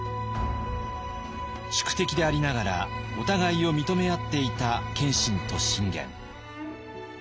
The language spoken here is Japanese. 宿敵でありながらお互いを認め合っていた謙信と信玄。